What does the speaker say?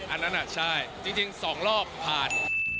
อันนั้นใช่จริง๒รอบผ่าน